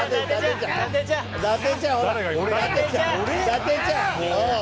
伊達ちゃん！